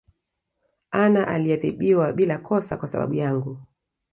Anna aliadhibiwa bila kosa kwasababu yangu